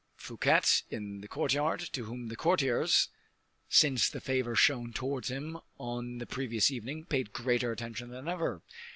Fouquet in the courtyard, to whom the courtiers, since the favor shown towards him on the previous evening, paid greater attention than ever.